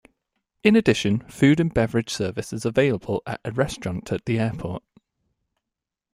In addition, food and beverage service is available at a restaurant at the airport.